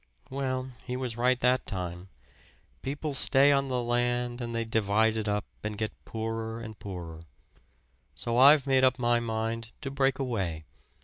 "Well, he was right that time. People stay on the land and they divide it up and get poorer and poorer. So I've made up my mind to break away.